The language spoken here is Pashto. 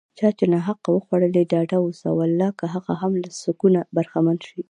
چا چې ناحقه وځورولي، ډاډه اوسه والله که هغه هم له سکونه برخمن شي